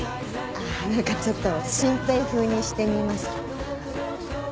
何かちょっと真平風にしてみました。